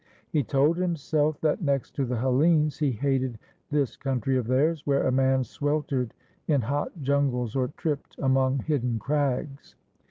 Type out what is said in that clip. He told himself that next to the Hellenes he hated this country of theirs, where a man sweltered in hot jungles or tripped among hidden crags.